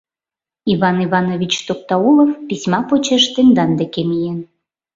Иван Иванович Токтаулов письма почеш тендан деке миен.